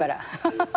ハハハハ！